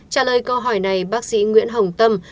trả lời câu hỏi này bác sĩ nguyễn hồng tâm